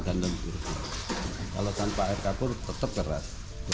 kalau tanpa air kapur tetap keras